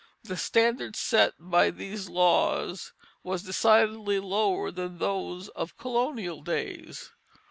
The standard set by these laws was decidedly lower than those of colonial days.